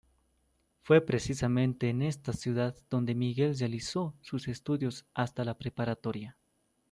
Fue precisamente en esta ciudad donde Miguel realizó sus estudios hasta la preparatoria.